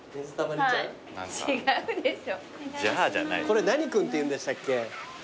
これ何君っていうんでしたっけ？